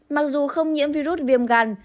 mặc dù không nhiễm virus viêm gan